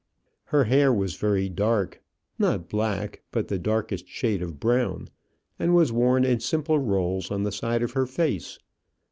Her hair was very dark not black, but the darkest shade of brown, and was worn in simple rolls on the side of her face.